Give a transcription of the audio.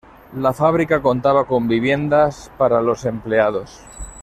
La fábrica contaba con viviendas para los empleados.